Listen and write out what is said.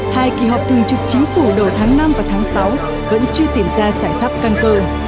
hai kỳ họp thường trực chính phủ đầu tháng năm và tháng sáu vẫn chưa tìm ra giải pháp căn cơ